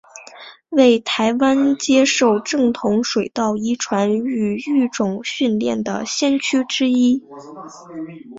为台湾接受正统水稻遗传与育种训练的先驱之一。